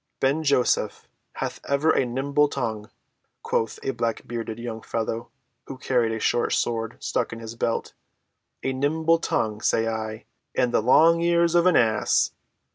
"Ben‐Joseph hath ever a nimble tongue," quoth a black‐bearded young fellow who carried a short sword stuck in his belt. "A nimble tongue, say I, and the long ears of an ass.